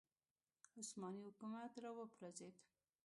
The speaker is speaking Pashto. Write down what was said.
عثماني حکومت راوپرځېد